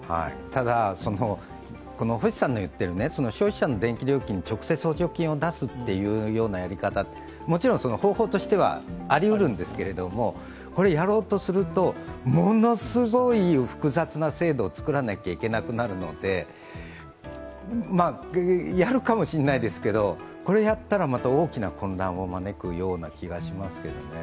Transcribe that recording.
ただ、星さんの言っている、消費者の電気料金に直接補助金を出すやり方、もちろん方法としてはありうるんですけどこれをやろうとすると、ものすごい複雑な制度を作らなきゃいけなくなるので、やるかもしれないですけどこれやったらまた大きな混乱を招くような気がしますけどね。